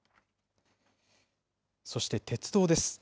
そして鉄道です。